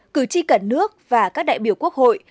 cử tri cả nước và các đại biểu quốc hội